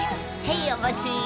へいお待ち！